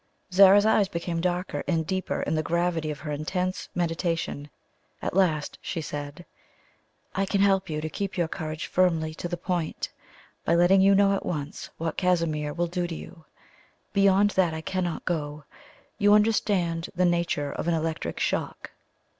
Zara's eyes became darker and deeper in the gravity of her intense meditation. At last she said: "I can help you to keep your courage firmly to the point, by letting you know at once what Casimir will do to you. Beyond that I cannot go. You understand the nature of an electric shock?"